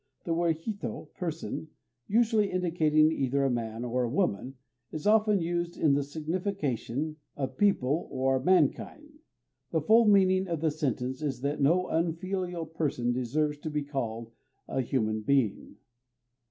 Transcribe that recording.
The word hito (person), usually indicating either a man or a woman, is often used in the signification of "people" or "Mankind." The full meaning of the sentence is that no unfilial person deserves to be called a human being.